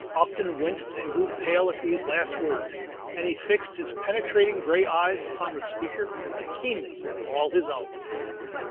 Upton winced and grew pale at these last words, and he fixed his penetrating gray eyes upon the speaker with a keenness all his own.